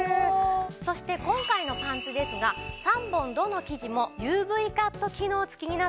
そして今回のパンツですが３本どの生地もＵＶカット機能付きになっています。